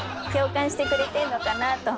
してくれてんのかなと。